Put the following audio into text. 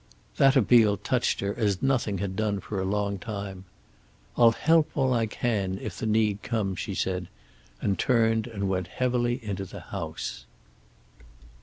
That appeal touched her as nothing had done for a long time. "I'll help all I can, if the need comes," she said, and turned and went heavily into the house.